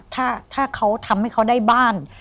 ถ้าเขาทำให้เขาได้บ้าน